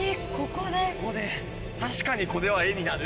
確かにこれは絵になる。